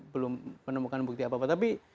belum menemukan bukti apa apa tapi